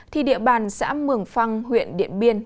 thì địa bàn xã mường phăng huyện điện biên